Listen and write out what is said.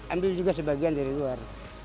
ambil juga sebagian dari luar